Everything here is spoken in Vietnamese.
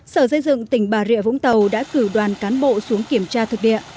sở xây dựng tỉnh bà rịa vũng tàu đã cử đoàn cán bộ xuống kiểm tra thực địa